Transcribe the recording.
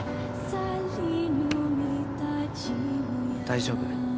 大丈夫。